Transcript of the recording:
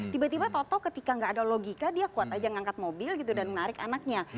tiba tiba toto ketika gak ada logika dia kuat aja ngangkat mobil gitu dan menarik anaknya